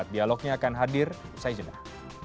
dialognya akan hadir saya jelah